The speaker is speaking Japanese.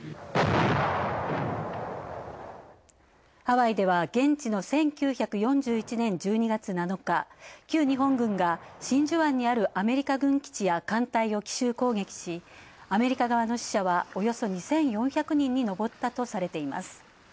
ハワイでは現地の１９４１年１２月７日、旧日本軍が真珠湾にある軍や艦隊を奇襲攻撃し、アメリカ側の死者は２４００人にのぼったとされています。